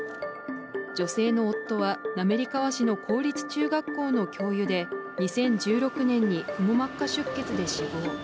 女性の夫は滑川市の公立中学校の教諭で２０１６年にくも膜下出血で死亡。